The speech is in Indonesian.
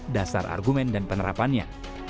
dasar argumen dan penerapannya